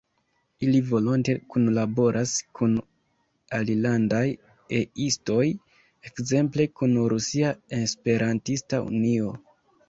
Ili volonte kunlaboras kun alilandaj E-istoj, ekzemple kun Rusia Esperantista Unio.